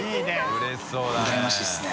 うれしそうだね。